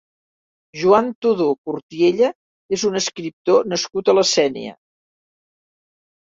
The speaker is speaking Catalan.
Joan Todó Cortiella és un escriptor nascut a la Sénia.